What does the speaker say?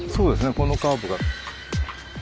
このカーブが。